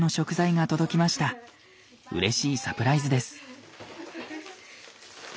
うれしいサプライズです。